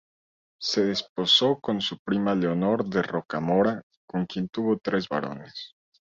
Se desposó con su prima Leonor de Rocamora, con quien tuvo tres varones.